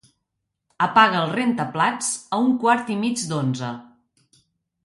Apaga el rentaplats a un quart i mig d'onze.